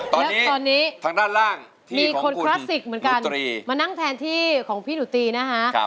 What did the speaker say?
แล้วตอนนี้ทางด้านล่างมีคนคลาสสิกเหมือนกันมานั่งแทนที่ของพี่หนูตีนะฮะ